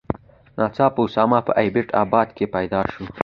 ناڅاپه اسامه په ایبټ آباد کې پیدا شو.